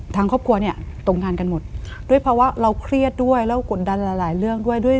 ทางครอบครัวเนี่ยตกงานกันหมดด้วยเพราะว่าเราเครียดด้วยแล้วกดดันหลายหลายเรื่องด้วยด้วย